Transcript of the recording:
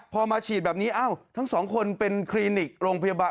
พอมาฉีดแบบนี้อ้าวทั้งสองคนเป็นคลินิกโรงพยาบาล